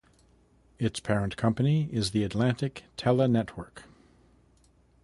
Its parent company is the Atlantic Tele-Network.